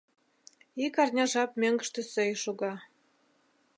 Ик арня жап мӧҥгыштӧ сӧй шога.